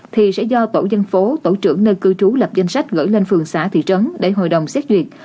thì sẽ do tổ dân phố tổ trưởng nơi cư trú lập danh sách gửi lên phường xã thị trấn để hội đồng xét duyệt